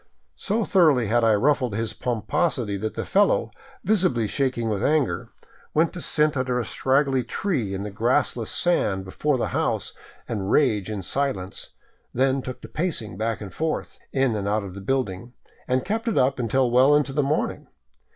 So thoroughly had I ruffled his pomposity that the fellow, visibly shaking with anger, went to sit under a scraggly tree in the grassless sand before the house and rage in silence, then took to pacing back and forth, in and out of the building, and kept it up until well into the morning.